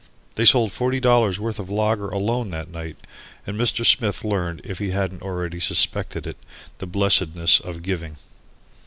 They sold forty dollars' worth of lager alone that night, and Mr. Smith learned, if he had not already suspected it, the blessedness of giving.